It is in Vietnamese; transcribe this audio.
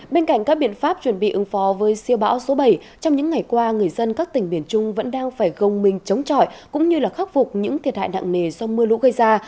bên cạnh các biện pháp chuẩn bị ứng phó với siêu bão số bảy trong những ngày qua người dân các tỉnh biển trung vẫn đang phải gồng mình chống trọi cũng như khắc phục những thiệt hại nặng nề do mưa lũ gây ra